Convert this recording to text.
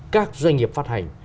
các doanh nghiệp phát hành